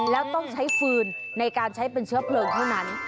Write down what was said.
แล้วต้องใช้ฟืนในการใช้เป็นเชื้อเพลิงเท่านั้น